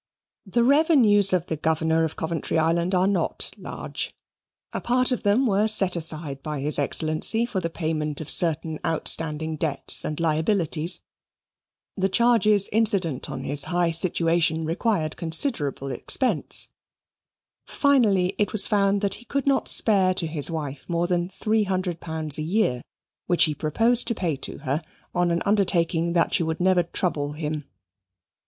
The revenues of the Governor of Coventry Island are not large. A part of them were set aside by his Excellency for the payment of certain outstanding debts and liabilities, the charges incident on his high situation required considerable expense; finally, it was found that he could not spare to his wife more than three hundred pounds a year, which he proposed to pay to her on an undertaking that she would never trouble him.